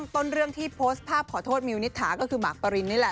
ต้นเรื่องที่โพสต์ภาพขอโทษมิวนิษฐาก็คือหมากปรินนี่แหละ